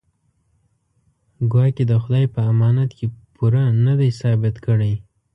ګواکې د خدای په امانت کې پوره نه دی ثابت کړی.